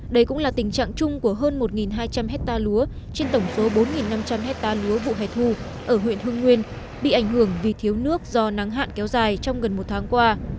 đây cũng là tình trạng chung của hơn một hai trăm linh hectare lúa trên tổng số bốn năm trăm linh hectare lúa vụ hẻ thu ở huyện hưng nguyên bị ảnh hưởng vì thiếu nước do nắng hạn kéo dài trong gần một tháng qua